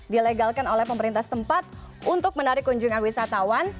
dilegalkan oleh pemerintah setempat untuk menarik kunjungan wisatawan